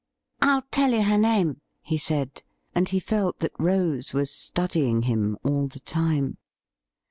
' ril tell you her name,' he said, and he felt that Rose was studying him all the time.